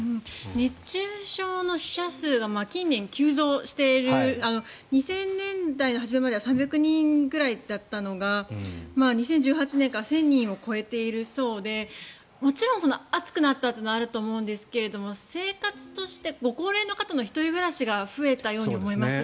熱中症の死者数が近年急増している２０００年代初めまでは３００人くらいだったのが２０１８年から１０００人を超えているそうでもちろん暑くなったというのはあると思うんですが生活としてご高齢の方の１人暮らしが増えたように思います。